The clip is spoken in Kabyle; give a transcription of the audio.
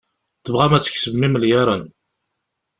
Tebɣam ad tkesbem imelyaṛen.